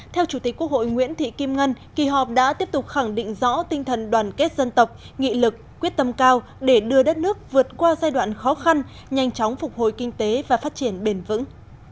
theo chủ tịch quốc hội nguyễn thị kim ngân kỳ họp đã tiếp tục khẳng định rõ tinh thần đoàn kết dân tộc nghị lực quyết tâm cao để đưa đất nước vượt qua giai đoạn khó khăn nhanh chóng phục hồi kinh tế và phát triển bền vững